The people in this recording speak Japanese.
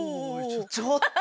ちょっと！